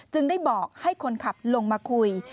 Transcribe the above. ได้บอกให้คนขับลงมาคุย